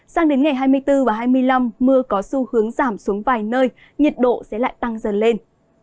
sang đến ngày hai mươi bốn và hai mươi năm mưa có xu hướng giảm xuống vài nơi nhiệt độ sẽ lại tăng dần lên